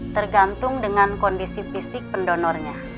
tergantung dengan kondisi fisik pendonornya